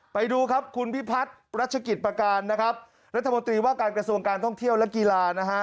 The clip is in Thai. ไปดูครับคุณพิพัฒน์รัชกิจประการนะครับรัฐมนตรีว่าการกระทรวงการท่องเที่ยวและกีฬานะฮะ